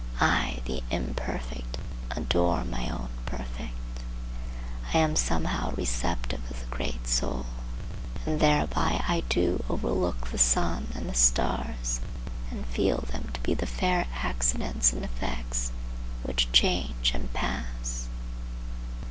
I, the imperfect, adore my own Perfect. I am somehow receptive of the great soul, and thereby I do Overlook the sun and the stars and feel them to be the fair accidents and effects which change and pass.